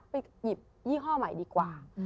หยิบยี่ห้อใหม่ดีกว่า